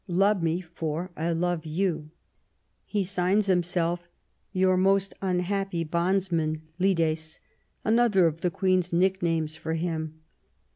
Love me, for I love you." He signs himself " Your most unhappy bondsman, Lyddes," another of the Queen's nicknames for him.